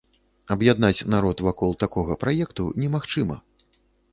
Аб'яднаць народ вакол такога праекту немагчыма.